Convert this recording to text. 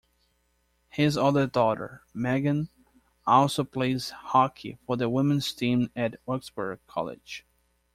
His other daughter, Megan, also plays hockey for the women's team at Augsburg College.